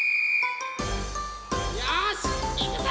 よしいくぞ！